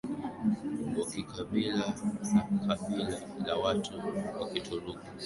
wa kikabila wa kabila la watu wa Kituruki